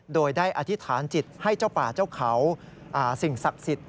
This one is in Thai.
โดยได้อธิษฐานจิตให้เจ้าป่าเจ้าเขาสิ่งศักดิ์สิทธิ์